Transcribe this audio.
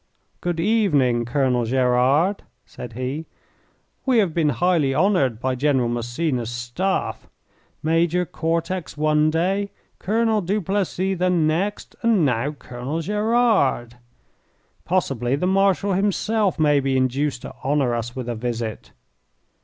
"Good evening, Colonel Gerard," said he. "We have been highly honoured by General Massena's staff: Major Cortex one day, Colonel Duplessis the next, and now Colonel Gerard. Possibly the Marshal himself may be induced to honour us with a visit.